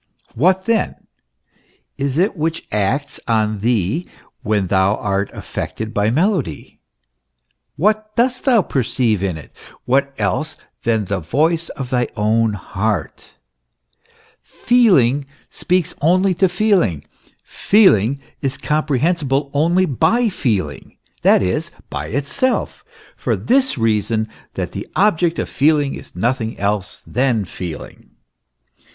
What then is it which acts on thee when thou art affected by melody? What dost thou perceive in it? What else than the voice of thy own heart ? Feeling speaks only to feeling ; feeling is comprehensible only by feeling, that is, by itself for this reason, that the object of feeling is nothing else than feeling.